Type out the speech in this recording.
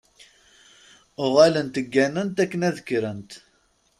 Uɣalent gganent akken ad kkrent.